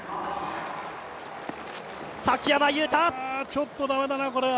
ちょっと駄目だな、これは。